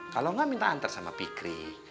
kalau gak minta anter sama fikri